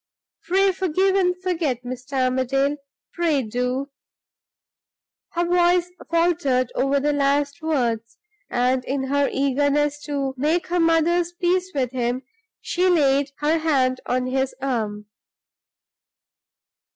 Pray forgive and forget, Mr. Armadale pray do!" her voice faltered over the last words, and, in her eagerness to make her mother's peace with him, she laid her hand on his arm.